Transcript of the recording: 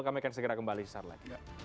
kami akan segera kembali di sarlet